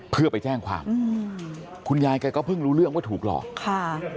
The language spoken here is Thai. เพื่อไปแจ้งความอืมคุณยายแกก็เพิ่งรู้เรื่องว่าถูกหลอกค่ะ